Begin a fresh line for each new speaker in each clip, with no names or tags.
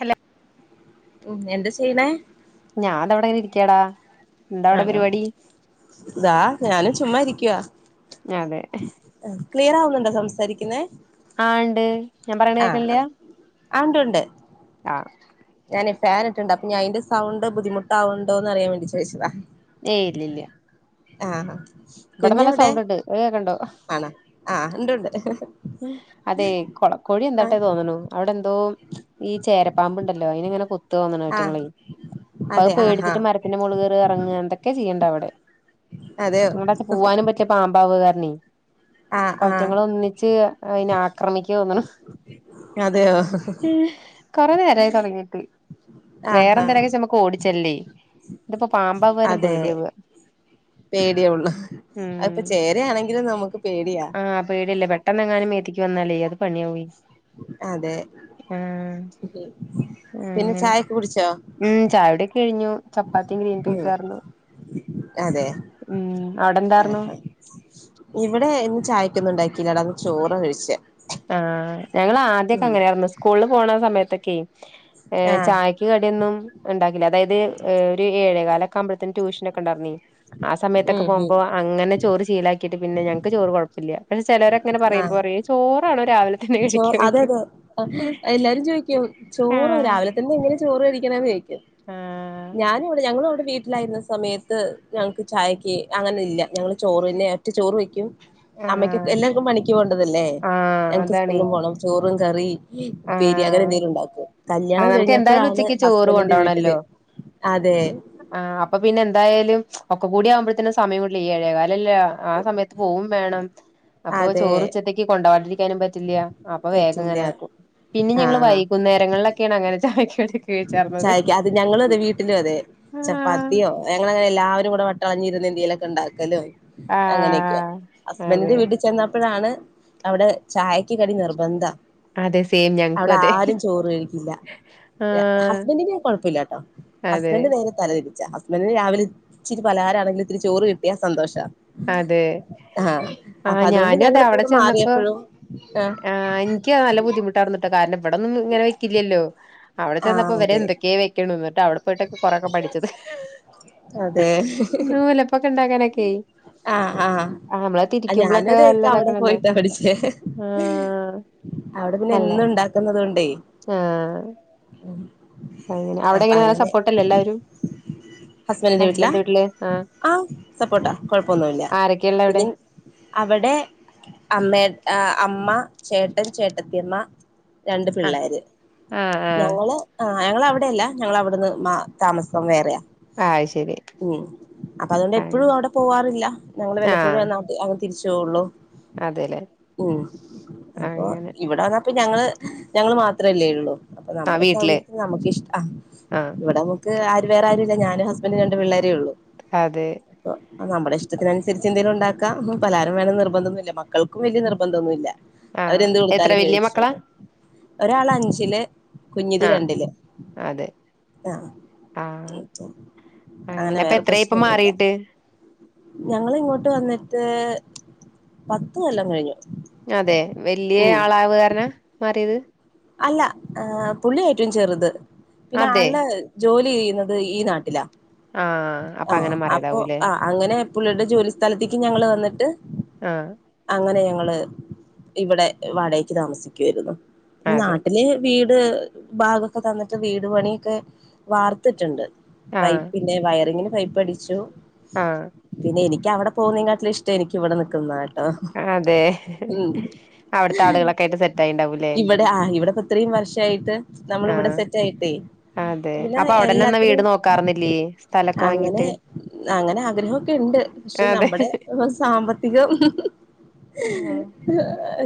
Hello
എന്താ ചെയ്യണേ
ഞാൻ ഇതാ വിടഞ്ഞനെ ഇരിക്കട
ആ ഇതാ ഞാനും ചുമ്മാ ഇരിക്കുവ
അതെ
ക്ലിയർ ആവുന്നുണ്ടോ സംസാരിക്ക്ന്നെ?
ആ ഉണ്ട് ഞാൻ പറയണ കേക്കണ് ഇല്ല്യ ആ
ഞാനെ ഫാൻ ഇട്ടുണ്ട് അപ്പ് ഞാൻന്റെ സൗണ്ട് ബുദ്ധിമുട്ടാവ്ണ്ട് അറിയാൻ വെണ്ടി ചോയിച്ചതാ
ഏയ് ഇല്ല ഇല്ല
ആ
ഇവിടെ
കുഞ്ഞ
നല്ല
എവിടെ
സൗണ്ട് ഉണ്ട് അത് കേക്കണ്ടോ
ആണോ ആ ഉണ്ട് ഉണ്ട്
അതെ കോഴി എന്താട്ടെ തോന്നണ അവിടെ എന്തോ ഈ ചേരപ്പാമ്പ്ണ്ടല്ലോ അയിനെങ്ങനെ കൊത്തോന്ന്ണ്
ആഹ്
അയ്റ്റങ്ങളെ അപ്പ അത്
അതെ ആഹാ
പേടിച്ചിട്ട് മരത്തിന്റെ മൊള് കേറാ എറങ്ങാ എന്തൊക്കെ ചെയ്യ്ണ്ട് അവടെ
അതെയോ
അങ്ങോട്ടൊക്കെ പോവാനും പറ്റില്ലാ പാമ്പാവാ കാരണേ
ആഹ് ആഹ്
ഇച്ച് അയിനെ ആക്രമിക്ക്യാന്ന്ണ്
അതെയോ
ഹ് കൊറെ നേരായി തോടങ്ങീട്ട് വേറെ
ആഹാ
എന്തിനൊക്കെച്ചമ്മക്ക് ഓടിച്ചേല്ലേ ഇതിപ്പോ പാമ്പാവാര്ണം പേടിയാവ
പേടിയോള്ളു അതിപ്പൊ ചേരയാണെങ്കിലും നമുക്ക് പേടിയാ
പെട്ടെന്നങ്ങാനും മേത്ത്ക്ക് വന്നാലെ അത് പണിയാവേ
അതെ
മ്മ് ഉം
പിന്നെ
അങ്ങനെ
ചായൊക്കെ കുടിച്ചോ
മ്മ് ചായുടിയൊക്കെ കഴിഞ്ഞു ചപ്പാത്തിയും
ഉം
ഗ്രീൻപീസാരുന്നു
അതെ
ഉം അവിടെ എന്താറ്ന്നു
ഇവിടെ ഇന്ന് ചായക്കൊന്നുണ്ടാക്കില്ലടാ ഇന്ന് ചോറാ കഴിച്ചേ
ആ ഞങ്ങള് ആദ്യക്കെ
ഉം
അങ്ങനെയായിര്ന്നു സ്കൂള്ല് പോണ സമയത്തൊക്കെ ഏ
ആഹ്
ചായക്ക് കടിയൊന്നും ഇണ്ടാക്കി ല്ലാ അതായത് ഒരു ഏഴേകാലൊക്കെ ആവുമ്പത്തേന് ട്യൂഷനോക്കെണ്ടാർന്നേ ആ സമയത്തൊക്കെ
ഉം ഉം
പോകുമ്പോ അങ്ങനെ ചോറ് ശീലാക്കിട്ട് പിന്നെ ഞങ്ങക്ക് ചോറ് കുഴപ്പല്ല പക്ഷെ ചോലോരൊക്കെ ഇങ്ങനെ പറയുമ്പോ പറേ ചോറാണോ രാവി
ചോറ് അതെ അതെ എല്ലാരും ചോയിക്കും ചോറോ
ആഹ്
രാവിലെ തന്നെങ്ങനെ ചോറ് കഴിക്ക്ണേന്നോയിച്ച്
ആഹ്
ഞാനൊവ്ടെ ഞങ്ങളോവ്ടെ വീ ട്ടിലായിര്ന്ന സമയത്ത് ഞങ്ങക്ക് ചായക്ക് അങ്ങനെല്ല ഞങ്ങള് ചോറേന്നേ ഒറ്റ ചോറ് വേയ്ക്കും അമ്മയ്ക്കൊക്കെ
ആഹ്
എല്ലാർക്കും പണിക്ക് പോകേണ്ടതല്ലേ
ആഹ്
ഞങ്ങക്ക്
അതാണേ
സ്കൂള്ലും പോണം ചോറും കറിം പിരി
ആഹ്
അങ്ങനെന്തേങ്കിലുണ്ടാക്കും
ആ
കല്യാണം
നമുക്ക്
കഴിഞ്ഞപ്പഴാണ് ഹസ്ബന്റിന്റെ വീട്ടില് അതെ
ആ അപ്പൊ പിന്നെ എന്തായാലും ഒക്കെ കൂടിയവുമ്പോഴത്തിനും സമയ [unintelligible] ആ സമയത്ത് പോവും വേണം അപ്പൊ
അതെ
ചോറ് ഉച്ചത്തേക്ക് കൊണ്ട്കാണ്ടിരിക്കാനും പറ്റില്ല അപ്പൊ
പറ്റില്ല
വേഗങ്ങനെ ആക്കും പിന്നെ ഞങ്ങൾ വൈകുന്നേരങ്ങളിലൊക്കെയാണ് അങ്ങനെ ചാ
ചായ്ക്ക് അത് ഞങ്ങള് അതെ വീട്ടിലും അതെ ചപ്പാത്തിയോ ഞങ്ങളങ്ങനെ എല്ലാവരും കൂടെ വട്ട വളഞ്ഞിര് ന്ന് എന്തേലൊക്കെ ഇണ്ടാക്കലും അങ്ങനെയൊക്ക്യാ
ആഹ് അതെ
ഹസ്ബൻന്റിന്റെ വീട്ടി ചെന്നപ്പഴാണ് അവിടെ ചായക്ക് കടി നിർബന്ധാ
അതെ സെയിം ഞങ്ങക്കും
അവിടെ
അതെ
ആരും ചോറ് കഴിക്കില്ല
ആഹ്
ഹസ്ബന്റിന് കൊഴപ്പല്ലാട്ടോ
അതെ
ഹസ്ബന്റ് നേരെ തല തിരിച്ചാ ഹസ്ബൻന്റിന് രാവിലെ ഇച്ചിരി പലഹാരണെങ്കിലും ഇത്തിരി ചോറ് കിട്ടിയാ സന്തോഷാ
അതെ
ആഹ് അപ്പൊ
ആഹ്
അതുകൊണ്ട്
ഞാനും അതെ
ഞങ്ങളിപ്പോ
അവിടെ
ഇവിടെ
ചെന്നപ്പോ
മാറിയപ്പഴും ആഹ്
ആ ഇന്ക്ക് നല്ല ബുദ്ധിമുട്ടായിരുന്നിട്ടോ കാരണം ഇവിടെന്നും ഇങ്ങനെ വെക്കില്ലല്ലോ അവിടെ ചെന്നപ്പോ
ആഹ് അതെ
ഇവരേന്തൊക്കെയ വയ്ക്ക് അവിടെ പോയിട്ടോക്കെ കൊറെക്കെ പഠിച്ചത്
അതെ
നൂലപ്പോക്കെണ്ടാക്കാനൊ
ആഹ് ആഹ് ആ ഞാനു
തിരിക്കുമ്പോളൊക്കെ
അതെ അവിടെ
നല്ലതാക്കണല്ലോ
പോയിട്ടാ പഠിച്ചേ
ആഹ്
അവിടെ പിന്നെ
അല്ല
എന്നുണ്ടാക്കുന്നുന്നത് കൊണ്ടേ
ആഹ് അങ്ങനെ
അപ്പൊ
അവിടെങ്ങനെ നല്ല
അങ്ങനെ
സപ്പോർട്ടല്ലേ എല്ലാവരും
ഹസ്ബൻഡിന്റെ വീട്ടിലാ
ഹസ്ബൻന്റെ വീട്ടില്
ആഹ് സപ്പോർട്ടാ കൊഴപ്പൊന്നുല്ല
ആരൊക്കെയള്ള അവിടെ
പിന്നിം അവിടെ അമ്മേ അമ്മ ചേട്ടൻ ചേട്ടത്തിയമ്മ രണ്ട്
ആഹ്
പിള്ളേര്
ആഹ് ആഹ്
ഞങ്ങള് ആഹ് ആ ഞങ്ങള് അവിടെയല്ല ഞങ്ങൾ അവിടുന്ന് താമസം വേറെയാ
ആഹ് ശരി
ഉം അപ്പ അതുകൊണ്ട്
ആഹ്
എപ്പോഴും അവിടെ പോവാറില്ല ഞങ്ങള് വല്ലപ്പോഴും
ആഹ്
[unintelligible] തിരിച്ച് പോവുള്ളൂ
അതെല്ലേ
ഉം അപ്പൊ
അങ്ങനെ
ഇവിട അപ്പൊ ഞങ്ങള് ഞങ്ങള് മാത്രമല്ലേ ഉള്ളൂ അപ്പൊ
ആഹ്
നമ്മുടെ
വീട്ടില്
സൗകര്യത്തിൽ നമുക്ക് ഇഷ്ട
ആഹ്
ഇവിടെ ആര് വേറെ ആരുംല്ല ഞാനും ഹസ്ബൻറ്റുംരണ്ട് പിള്ളേരേ ഉള്ളൂ
അതെ
അപ്പൊ നമ്മുടെ ഇഷ്ടത്തിനുസരിച്ച് എന്തേലും ഉണ്ടാക്കാ പലഹാരം വേണം നിർബന്ധന്നില്ല മക്കും വലിയ നിർബന്ധം ഒന്നും മില്ല
ആഹ്
അവരെന്ത്
എത്ര
കൊടുത്താലും
വല്യ മക്കളാ
കഴിച്ചോളും ഒരാള് അഞ്ചില് കുഞ്ഞിത്
ആഹ്
രണ്ടില്
അതെ
ആ
ആഹ്
അങ്ങനെ
അപ്പൊ
വേറെ
എത്രായി ഇപ്പൊ
പ്രശ്നൊന്നുല്ല
മാറിട്ട്
ഞങ്ങളിങ്ങോട്ട് വന്നിട്ട് പത്ത് കൊല്ലം കഴിഞ്ഞു
അതെ വല്യ
ഉം
ആളാവ്പറഞ്ഞ മാറിയത്
അല്ല പുള്ളി ഏറ്റവും ചെറുത് പിന്നെ
അതെ
ആളുടെ ജോലി ചെയ്യുന്നത് ഈ നാട്ടിലാ
ആ
ആ അപ്പൊ ആ അങ്ങനെ പുള്ളിയുടെ ജോലി സ്ഥലത്തേക്ക് ഞങ്ങള് വന്നിട്ട്
ആഹ്
അങ്ങനെയ ള് ഇവിടെ വാടകക്ക് താമസിക്കുകയായിരുന്നു പിന്നെ
അതെ
നാട്ടിലെ വീ ട് ഭാഗൊക്കെ തന്നിട്ട് വീടു പണിയൊക്കെ വാർത്തിട്ടുണ്ട് പൈപ്പ് പിന്നെ വയറിങ്ങിന് പൈപ്പ് അടിച്ചു
ആ
പിന്നെ എനിക്ക് അവിടെ പോകുന്നെ കാട്ടില് ഇഷ്ട എനിക്ക് ഇവിടെ നിക്കുന്നതാണ്
അതെ അവിടുത്തെ ആളുകളൊക്കെ ആയിട്ട് സെറ്റ് ആയിണ്ടാവൂലേ
ഇവിടെ ആ ഇവിടെപ്പോ ഇത്രയും വർഷയിട്ട് നമ്മൾ ഇവിടെ
ആഹ്
സെറ്റ് ആയിട്ടേ
അതെ
പിന്നെ
അപ്പൊ അവിടെതന്നെ വീട്
എല്ലാത്തിനും
നോക്കാർന്നില്ലേ സ്ഥലൊക്കെ
അങ്ങനെ
വാങ്ങിട്ട്
അങ്ങനെ ആഗ്രഹമൊക്കെ ഉണ്ട് പക്ഷെ നമ്മുടെ സാമ്പത്തികം
ആഹ്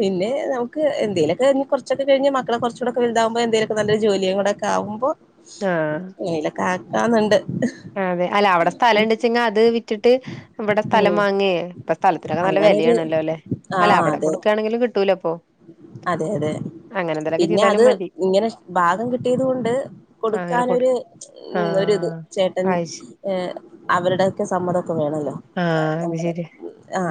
പിന്നെ നമുക്ക് എന്തേലൊക്കെ കുറച്ചെക്കെ കഴിഞ്ഞ് മക്കള് കുറച്ചുടെക്കെ ഇതാവുമ്പോ എന്തേലുക്കെ നല്ലൊരു ജോലിയുടെ ഒക്കെ ഇതാകുമ്പോ
ആഹ്
ഇങ്ങനെ കാക്കന്നണ്ട്
അതെ അല്ലെ അവിടെ സ്ഥലം ഉണ്ടെന്ന് വെച്ച അത് വിറ്റിട്ട് ഇവിടെ സ്ഥലം
ഉം
വാങ്ങിയെ ഇപ്പം സ്ഥലത്തിനൊക്കെ നല്ല
അങ്ങനൊരു
വിലയാണല്ലോ അല്ലെ അല്ല
ആഹ്
അവിടെ
അതെ
കൊടുക്കുകയാണെങ്കിലും കിട്ടൂലൊ അപ്പൊ
അതെ അതെ
അങ്ങനെ എന്തെലൊക്കെ
പിന്നെ
ചെയ്താലും
അത്
മതി
ഇങ്ങനെ ഭാഗം കിട്ടിയത് കൊണ്ട്
ആഹ് അങ്ങനെ കൊടു
കൊടുക്കാനൊരു ഉം ഒരിത്
ആഹ്
ഉം
അയ്ശ
ഏ അവരുടെയൊക്കെ സമ്മതൊക്കെ വേണല്ലോ
ആഹ് അത്
കാരണംനമ്മള്
ശരിയ
ഉം ആ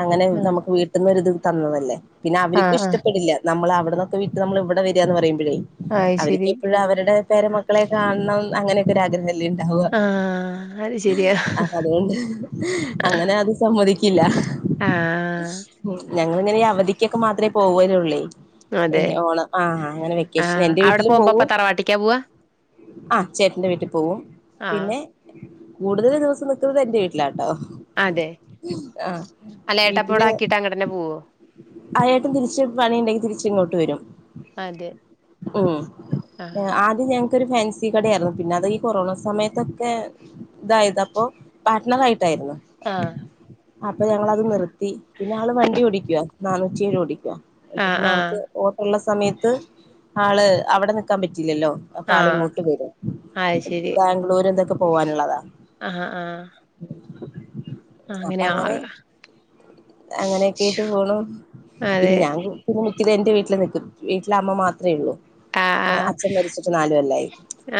അങ്ങനെ
ആഹ്
നമുക്ക് വീട്ടന്നൊരിത് തന്നതല്ലേ പിന്നെ അവരിക്കും
ആഹ് ആഹ്
ഇഷ്ടപ്പെടില്ല നമ്മള് അ വിടെക്കെ വിട്ട് നമ്മള് ഇവിടെ വരികന്ന് പറയുമ്പഴേ
അയ് ശരി
അവർക്ക്പ്പോഴും അവരുടെ പേരമക്കളെ കാണണം അങ്ങനെ ലിണ്ടവുക
ആഹ് അത് ശരിയാ
അപ്പ അതൊണ്ട് അങ്ങനെ അത് സമ്മതി
ആ
ഞങ്ങള് ഇങ്ങനെ അവധിക്കൊക്കെ മാത്രമേ പോവലുള്ളേ ഏ
അതെ
ഓണം ആ അങ്ങനെ വെക്കേഷൻ
ആഹ്
എൻ്റെ
അവിടെ
വീട്ടിലും
പോകുമ്പോ അപ്പ
പോവും
തറവാട്ടിക്കാ പോവാ
ആ ചേട്ടന്റെ വീട്ടിൽ പോവും
ആഹ്
പിന്നെ കൂടുതൽ ദിവസം നിൽക്കുന്നത് എന്റെ വീട്ടിലാണ് ഒ
അതെ
ആ
അല്ല ഏട്ടപ്പ
വീട്ടില്
ഇവിടെ ആക്കിട്ട് അങ്ങട്ടന്നെ പോവോ
ആയായിട്ടും തിരിച്ച് മഴ ഉണ്ടെങ്കി തിരിച്ച് ഇങ്ങോട്ട് വരും
അതെ
ഉം
ആഹ്
ആദി ഒരു ഫാൻസി കട ആയിരുന്നു പിന്നെ അത് ഈ കൊറോണ സമയത്തൊക്കെ ഇതായത് അപ്പോ പാർട്ടണർ ആയി് യിരുന്ന
ആഹ്
അപ്പൊ ഞങ്ങളത് നിർത്തി പിന്നെ ആള് വണ്ടി ഓടിക്കവാ നാനൂറ്റിറ്റേഴ് ഓടിക്കുക
ആഹ്
പിന്നെ
ആഹ്
ആൾക്ക് ഉള്ള സമയത്ത് ആള് അവിടെ നിക്കാൻ പറ്റ ത്തില്ലല്ലോ അപ്പ ആള്
ആഹ്
ഇങ്ങോട്ട് വരും ബാംഗ്ലൂര് എന്തൊക്കെ പോവാനുള്ളതാ
ആ ആ അങ്ങനെ ആവ
അങ്ങനെയൊക്കെ യിട്ട് പോണു പിന്നെ
അതെ
ഞാൻ [unintelligible] ഇത എന്റെ വീട്ടിൽ നിൽക്കും വീട്ടില അമ്മ മാത്രയുള്ളൂ
ആഹ് ആഹ്
അച്ഛൻ മരിച്ചിട്ട് നാലുകൊല്ലായി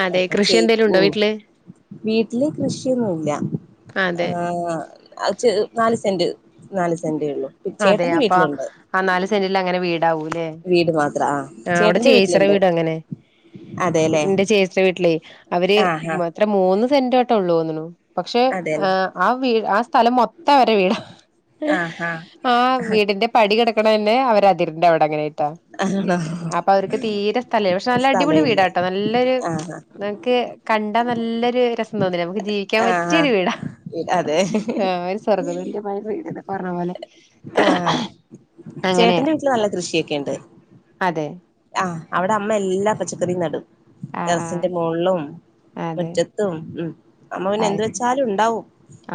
അതെ
അപ്പൊ
കൃഷി
ചെ
എന്തേലും
കു
ഉണ്ടോ വീട്ടില്
വീട്ടില്െ കൃഷിയൊന്നുല്ല
അതെ
ഏഹ് [unintelligible] നാല് സെന്റ് നാല് സെന്റ്.
അതെ അപ്പൊ ആ നാല് സെന്റില് അങ്ങനെ വീടാവൂ ല്ലേ
വീട് മാത്രം
ആ അവിടെ
ചേട്ടന്റെ
ചേച്ചിറ
വീട്ടിലുണ്ട്
വീട് അങ്ങനെ
അതെല്ലേ
എന്റെ ചേച്ചി ടെ വീട്ടിലേ അവര്
ആഹാ
അത്ര മൂന്ന് സെന്റോ ട്ടള്ളൂ ന്നുണു പക്ഷെ
അതെല്ലേ
ആ വി ആ സ്ഥലം മൊ അവരെ വീടാ
ആഹാ
ആ വീടിന്റെ പടികിടക്കണ തന്നെ അവര അതിറിന്റെ അവിടെ അങ്ങനെയി
ആഹ
അപ്പൊ അവർക്ക് തീരെ സ്ഥല പക്ഷെ നല്ല അടിപൊളി
സ്ഥലം ഇല്ല
വീടാട്ടോ നല്ലൊരു
ആഹാ
നമക്ക് കണ്ട നല്ലൊരു രസം തോന്നില്ല നമുക്ക് ജീവിക്കാൻ പറ്റിയൊ
ആഹാ
ഒരു വീടാ
അതെ
ആ ഒരു സ്വർഗ്ഗ തുല്യമായ വീട് പറഞ്ഞ പോലെ
ആ ആ
അങ്ങനെയാ
ചേട്ടന്റെ വീട്ടിൽ നല്ല കൃഷിയൊക്കെണ്ട്
അതെ
ആഹ് അവിടെ അമ്മ എല്ലാ പച്ചക്കറ നടും
ആ ആ
ടെറസിന്റെ മൊൾള്ളും
അതെ
മുറ്റത്തും ഉം അമ്മ പിന്നെ എന്ത്
ആ
വെച്ചാലും ഉണ്ടാവും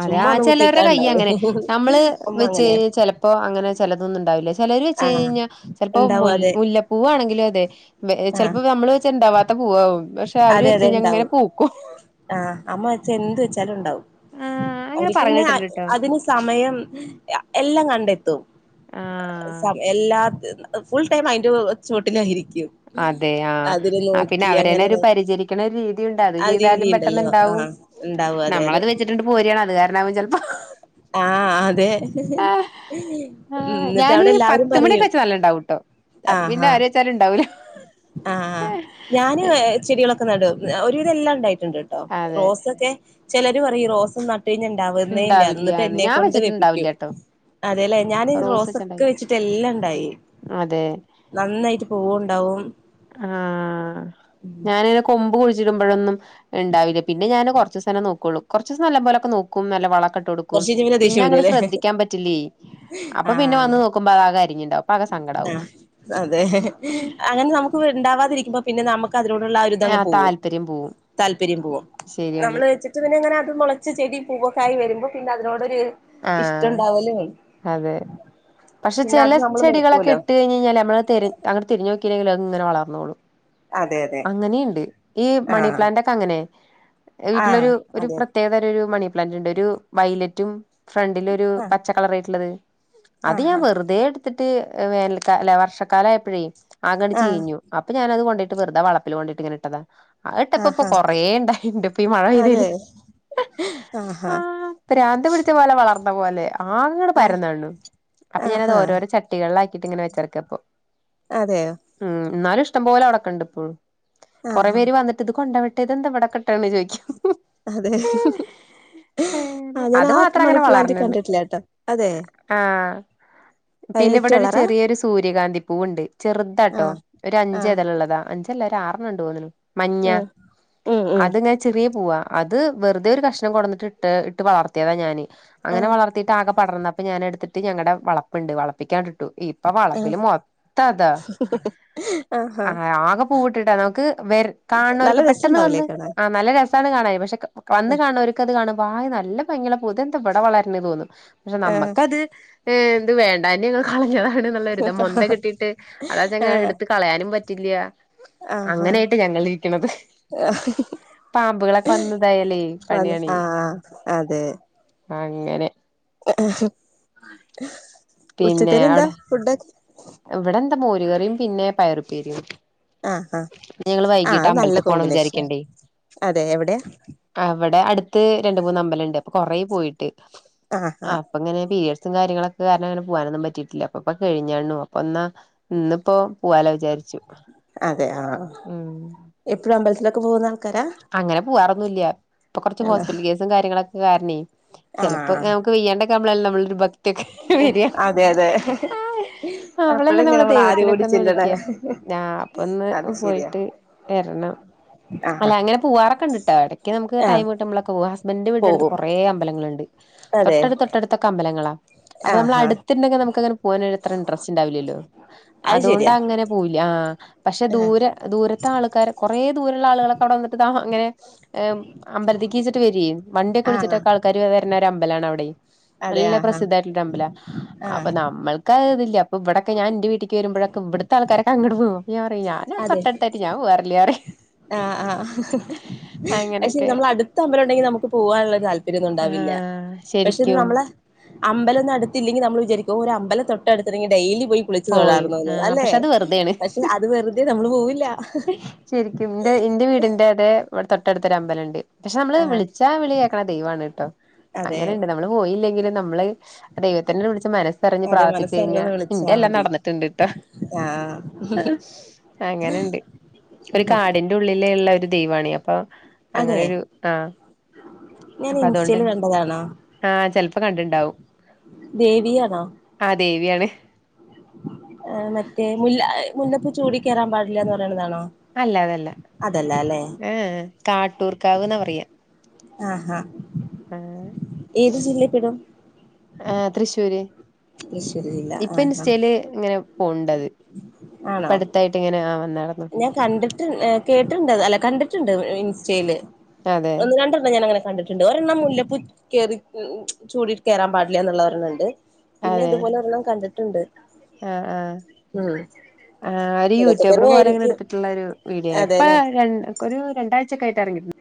അതെ
ചുമ്മാ
ആ
ഒന്ന്
ചിലവരുടെ
കുത്തിയിട്ടാ
കൈ
ഉണ്ടാവും
അങ്ങനെ നമ്മള്
അമ്മ
വെച്ച് കഴി
അങ്ങനെയാ
ചിലപ്പോ അങ്ങനെ ചിലത ഉണ്ടാവില്ല ചിലർ വെച്ച്
ആ
കഴിഞ്ഞൽ ചിലപ്പോ മു
ഉണ്ടാവും അതെ
മുല്ലപ്പൂ ആണെങ്കിലും അതെ
ആ
ചിലപ്പോ നമ്മള് വെച്ച ഇണ്ടാവാത്ത പൂവാവും പഷ്
അതെ അതെ ഇണ്ടാവും ആ അമ്മ വച്ച എന്ത് വെച്ചാലും ണ്ടാവും
ആഹ് അങ്ങനെ
അവർക്ക്
പറയണ
പിന്നെ
കേട്ടിട്ടുണ്ട് ട്ടോ
അതിന് സമയം എല്ലാം കണ്ടെ
ആഹ്
സമയം എല്ലാ ഫുൾ ടൈം അതിന്റെ ചുവട്ടില യിരി ക്യും
അതെ ആഹ്
അതില്
ആ പിന്നെ
നോക്കി
അവരന്നെ
അങ്ങനെ
ഒരു പരിചരിക്കണ ഒരു രീതിയുണ്ട് അത്
ആ രീതി
ചെയ്താലും
ഉണ്ടല്ലോ
പെട്ടെന്നുണ്ടാവും
ആഹ് ഉണ്ടാവും അതെ അതെ
നമ്മളത് വെച്ചിട്ടിണ്ട് പോരിയാ [unintelligible] ചിലപ്പോ
ആ അതെ
ആഹ്
ന്നിട്ട്
ഞാനീ
അവിടെ എല്ലാരും
പത്ത്
പറയൂ
മണിയൊക്കെ വെച്ച നല്ല ഉണ്ടാവൂട്ടോ അത് പിന്നെ ആര വെച്ചാലും ണ്ടാവൂലേ
ആ ആ ഞാനും ചെടികളൊക്കെ നട ഒരുവിതെല്ലാം ഉണ്ടായി ണ്ട്ട്ടോ
അതെ
റോസൊക്കെ ചിലര് പറ റോസ ട്ടഞ്ഞാൽ ഇണ്ടാവുന്നേ ഇല്ല എന്നിട്ട്
ഇണ്ടാവില്ല്യാന്ന്
എന്നെ
ഞാൻ
കൊണ്ട് വെപ്പിക്കും
വെച്ചിട്ടുണ്ടാവില്ല്യാട്ടോ
അതെല്ലെ ഞാൻ
റോസ്
റോസൊക്കെ
വെച്ചിട്ടുണ്ടാവില്ല
വെച്ചിട്ട് എല്ലാം ഇണ്ടായി
അതെ
നന്നായിട്ട് പൂവുണ്ടാവും.
ആ ഞാനിനെ കൊ കുഴിച്ചിടുമ്പോഴൊന്നും ഇണ്ടാവില്ല പിന്നെ ഞാന് കുറച്ചുസനെ നോക്കുള്ളൂ കുറച്ചസം നല്ല പോലെക്കെ നോക്കും നല്ല വ ട്ട് കൊടുക്കും
കുറച്ച് കഴിഞ്ഞ
പിന്നെ
ദേഷ്യം
അങ്ങെ
വരുല്ലേ
ശ്രദ്ധിക്കാൻ പറ്റില്ലേ അപ്പൊ പിന്നെ വന്ന് നോക്കുമ്പോ ആകെ കാര്യഞ്ഞുണ്ടാവ
ആ അതെ അങ്ങനെ നമുക്ക് ഇണ്ടാവാതിരിക്കുമ്പോ പിന്നെ നമക്ക് അതിനോടുള്ള ആ ഒരു ഇതങ്ങ്
ആഹ്
പോകും
താല്പര്യം പോവും
താല്പര്യം പോകും
ശരിയാണ്
നമ്മള് വെച്ചിട്ട് പിന്നെങ്ങനെ അത് മുളച്ച് ചെടി പൂവക്കായി വരുമ്പോൾ പിന്നെ അതിനോടൊരു
ആ
ഇഷ്ടണ്ടാവലും
അതെ പക്ഷെ
പിന്നെ അത്
ചില
നമ്മള്
ചെടളൊക്കെ
നോക്കുവല്ലോ
ഇട്ട് കഴഞ് കഴിഞ്ഞൽ നമ്മൾ തിരി തിഞ് നോക്കില്ലെങ്കിൽ അങ്ങ് വളർന്നോളൂ
അതെ അതെ
അങ്ങനെയിണ്ട് ഈ
ആഹ്
മണിപ്ലാന്റ് ഒക്കെ അങ്ങനെ
ആഹ്
വീട്ടിലൊരു ഒരു
അതെ
പ്രത്യേകതരം ഒരു മണിപ്ലാന്റ് ഉണ്ട് ഒരു വൈലറ്റും ഫ്രണ്ടിലൊ ഒരു
അതെ
പച്ച കളർയിട്ടുള്ളത് അത് ഞാൻ
ആഹ്
വെറുതെ എടുത്തിട്ട് വേ അല്ല വർഷക്കാലയപ്പോഴേ അങ്ങനെ
ആഹാ
ച്ചീഞ്ഞു അപ്പ ഞാനത് കൊണ്ടട്ട് വെറുത വളപ്പ കൊണ്ടട്ട ഇങ്ങനെ ഇട്ടതാ ആ കേട്ടപ്പ
ആഹ്
ഇപ്പൊ
ആഹാ
കൊറേ ഇണ്ടായിണ്ട് ഇപ്പ ഈ മഴ പെയ്തതില്
അതെ ആഹാ
ആ ഭ്രാന്ത്‌ പിടിച്ച പോലെ ആകങ്ങടെ
ആഹ്
പരന്നാണു
ആഹാ അതെയോ
ഉം ന്നാലുഷ് ഇഷ്ടം പോലെവിടെക്കെണ്ട്പ്പഴും കൊറെ
ആഹാ
പേര് വന്നിട്ട്ത് കൊണ്ടോവട്ടെ ഇത് എന്ത ഇവിടെക്കിട്ടെന്ന് ചോയ്ക്കും
അതെ ആഹ ഞാൻ
അത് മാത്രം
ആത്ത്
അങ്ങനെ
മണിപ്ലാന്റ്
വളർന്ന്ണ്ട്
കണ്ടിട്ടില്ല ട്ടോ അതെ
ആഹ് പിന്നെ
വയലറ്റ്
ഇവിടെ ഒരു
കളറാ
ചെറിയൊരു സൂര്യകാന്തി പൂവുണ്ട് ചെറുതാട്ടോ
ആഹ്
ഒരു അഞ്ച്
ആഹ്
ഇതളുള്ളതാ അഞ്ച് ല്ല ആറെണ്ണംണ്ട് പോന്ന്നു മഞ്ഞ
ഉം ഉം ഉം
അത്ങ്ങെനെ ചെറിയ പോവാ അത് വെറുതെ ഒരു കഷ്ണം കൊടന്നിട്ട് ഇട്ട് ഇട്ട് വളർത്തിയതാ ഞാാന് അങ്ങനെ
ആഹ്
വളർത്തിയിട്ട് ആകെ പടർന്നപ്പ ഞാന എടുത്തിട്ട് ഞങ്ങടെ വളപ്പുണ്ട് വളപ്പിക്കാ ട്ടു ഇപ്പൊ വളപ്പിൽ
ആഹ്
മൊത്തം
ആഹാ
അതാ ട്ടിട്ടാ നമുക്ക് വര് കാണ് ണോ
നല്ല
ർക്ക് പെട്ടെന്ന്
രസണ്ടാവൂലേ
വന്ന്
കാണാൻ
ആ നല്ല രസാണ് കാണാൻ പക്ഷെ ക വന്ന് കാണ് ണോ ര്ക്കത് കാണുമ്പോ ഹായ് നല്ല ഭംഗി ഉള്ള പൂ ഇത് എന്താ ഇവിടെ വളര്ണെന്ന് തോന്നും പക്ഷെ
ആഹ്
നമ്മക്കത് എ ത് വേണ്ടാഞ് കളഞ്ഞതാണ്ന്നുള്ളൊരിത മൊന്ത കിട്ടിട്ട് അതാചങ്
ആഹ്
എടുത്ത കളയാനും പറ്റില്ല്യ
ആഹാ
അങ്ങനായിട്ട് ഞങ്ങളി രിക്കണത് പാമ്പുകളൊക്കെ വന്നതായല്ലേ പണിയണി
ആഹ്
അങ്ങനെ പിന്നെ
ഉച്ചത്തന എന്താ
അവിടെ
ഫുഡ് ഒക്കെ
ഇവിടെ എന്താ മോരുകറിയും പിന്നെ പയറുപ്പേരിയും
ആഹ് ആഹ്
ഞങ്ങള്
ആഹ്
വൈകീട്ട്
അത് നല്ല
അമ്പലത്തി പോണം
കോമ്പിനേഷനാ
വിചാരിക്കണ്ടേ
അതെ എവിടെയാ
അവിടെ അടുത്ത് രണ്ട് മൂന്ന് അമ്പലണ്ട് അപ്പ കൊറെ പോയിട്ട്
ആഹ് ആഹ്
അപ്പ ഇങ്ങനെ പി എസ് കാര്യങ്ങളൊക്കെ കാരണം അങ്ങനെ പോകാനൊന്നും പറ്റിയിട്ടില്ല അപ്പൊ ഇപ്പൊകഴിഞ്ഞാണു അപ്പൊ എന്നാ ഇന്നിപ്പോൊ പൂവാല വിചാരിച്ചു
അതെ ആഹ്
ഉ
എപ്പഴും അമ്പലത്തിലൊക്കെ പോകുന്ന ആൾക്കാരാ
അങ്ങനെ പോവാറൊന്നുല്ല്യ ഇപ്പൊ കൊറച്ച്
ആണോ
ഹോസ്പിറ്റൽ കേസും കാര്യങ്ങളൊക്കെ കാരണേ ചെലപ്പോക്കെ നമുക്ക് വെയ്യാണ്ടൊക്കെ ആവുമ്പളല്ലേ നമ്മളരു ഭ
ഉ അതെ അതെ
അവളല്ലേ
അപ്പഴല്ലേ
നമ്മള്
നമ്മൾ ആരും
ദൈവത്തിനൊക്കെ
ഓടി
ഒന്ന്
ചെല്ലണേ
വിളിക്കയാ ഞാൻ അപ്പൊ ഒന്ന്
അത് ശരിയാ
പോയിട്ട് എർണം അല്ല
ആഹ്
അങ്ങനെ പോവാറൊക്കെ ണ്ട് ട്ടോ ഇടക്ക് നമുക്ക്
ആഹ്
ടൈം കിട്ടുമ്പളൊക്കെ ന പോക ഹസ്ബൻഡന്റെ വീട്ടിനടുത്ത്
പോകും
കൊറെേ അമ്പലങ്ങളുണ്ട്
അതെ
തൊട്ടടു തൊട്ടടുത്തൊക്ക അമ്പലങ്ങളാ അപ്പൊ നമ്മൾ
ആഹ് ആഹ്
അടുത്തിണ്ടെങ്കിൽ നമുക്ക്ങ്ങനെ പോകാനത്ര ഇൻട്രസ്റ്റ് ഉണ്ടാവില്ലല്ലോ
അത്
അതുകൊണ്ട്
ശരിയാ
അങ്ങനെ പോവൂല്ല്യ ആ പക്ഷെ
ആഹ്
ദൂരെ ദൂരത്തെ ആൾക്കാാര് കുറെേ ദൂരുള്ള ആളുകളൊക്കെ അവിടെ വന്നിട്ട് അങ്ങനെ താ ഏ് അമ്പലതേക്കിച്ചിട്ട് വരോ വണ്ടിയൊക്കെ
ആഹ്
വിളിച്ചിട്ടൊക്കെ ആൾക്കാർ വരുന്ന ഒരു അമ്പലാണ വിടെ
അതെ
നല്ല
ആഹ്
പ്രസിദ്ധായിട്ടുള്ളൊരു അമ്പല
ആഹ്
അപ്പൊ
ആഹ്
നമ്മൾക്ക് ആ തില്ല ഇവിടൊക്കെ ഞാൻ ന്റെ വീട്ടി ക്ക് വരുമ്പഴക്ക ഇവിടുത്തെ ആൾക്കാരൊക്കെ അങ്ങട്ട് പോവും ഞാൻ പറിം ഞാനവിടെ തട്ടടുത്തായിട്ട് ഞാൻ പോവാറില്ല റിം
ആഹ ആ പക്ഷെ
അങ്ങനെയൊക്കെ
നമ്മള അടുത്ത അമ്പലം ഉണ്ടെങ്കിൽ നമുക്ക് പോവാനുള്ള താല്പര്യന്നും ഉണ്ടാവില്ല
ആഹ്
പക്ഷെ ഇന്ന്
ശരിക്കും
നമ്മളെ അമ്പലംലൊന്നും അടുത്തില്ലെങ്കിൽ നമ്മൾ വിചാരിക്കും ഒരു അമ്പലം തൊട്ട് എടുത്തിണ്ടെങ്കിൽ ഡെയിലി പോയി കുളിച്ചു തൊഴാറുന്നു ന്ന്
ആഹ്
അല്ലെ
പക്ഷെ അത് വെറുതെയാണ്
പക്ഷെ അത് വെറുതെ നമ്മള് പോവില്ല
ശരിക്കും ഇന്റെ ന്റെ വീടിന്റെ അതെ തൊട്ടടുത്തൊരു അമ്പലംണ്ട് പക്ഷെ നമ്മള്
ആഹ്
വിളിച്ചാ വിളി കേക്കണ ദൈവാണ് ട്ടോ
അതെ
അങ്ങനെയുണ്ട് നമ്മള് പോയില്ലെങ്കിലും നമ്മള് ദൈവത്തിനെ വിളിച്ച മനസ്സറിഞ്ഞ്
അതെ
പ്രാർത്ഥിച്ചു കഴിഞ്ഞ
മനസ്സറിഞ്ഞൊന്ന് വിളിച്ചാ
ഇന്റെ എല്ലാം
മതി
നടന്നിട്ടുണ്ട് ഇട്ട
ആഹ്
അങ്ങനെണ്ട് ഒരു കാടിന്റെ ഉള്ളിലുള്ളൊരു ദൈവാണെ അപ്പൊ
അതെ
അങ്ങനൊരു ആഹ്
ഞാൻ
അപ്പൊ
ഇൻസ്റ്റൽ
അതുകൊണ്ടന്നെ
കണ്ടതാണോ
ആഹ് ചെലപ്പോ കണ്ടിണ്ടാവും
ദേവിയാണോ
ആ ദേവിയാണ്
ആ മറ്റേ മുല്ല മുല്ലപ്പ് ചൂടി കേറാൻ പാടില്ലന്ന് പറയണതാണോ
അല്ല അതല്ല
അതല്ല അല്ലെ
ഏഎ കാട്ടൂർക്കാവ്ന്ന പറയാ
ആഹാ
ആഹ്
ഏത് ജില്ലയിപ്പെടും?
ആ തൃശ്ശൂര് ഇപ്പൊ ഇൻസ്റ്റെല് ഇങ്ങനെ പോണ് ണ്ടത്
ആണോ
പ്പട്ത്തായിട്ട് ഇങ്ങനെ ആ വന്നാള
ഞാൻ കണ്ട്ട്ട് കേട്ട്ണ്ട് അല്ല കൺ ണ്ട്ട്ട് ഇൻസ്റ്റൈയില്.
അതെ
ഒന്ന് രണ്ടെണ്ണം ഞാന്നങ്ങനെ കണ്ടിട്ട്ണ്ട് ഒരെണ്ണം മുല്ലപ്പു കേറി ചൂടീട്ട് കെറാ പാടില്ല എന്നള്ളരെണ്ണംണ്ട്. പിന്നെ
അതെ
ഇതുപോലെ ഒരെണ്ണം കണ്ട്ട്ട്ണ്ട്.
ആ ആ ആര്
ഇതൊക്കെ
യൂട്യൂബർ
തന്നെ
പോലെ
ആയിരിക്കും
എട്ത്ട്ട്ള്ള രു വീഡിയോ
അതെല്ലേ
ഇപ്പരണ്ട് ഒരു രണ്ടാഴ്ചൊക്കെയിട്ട് ഇറങ്ങിട്ട്ണ്ട്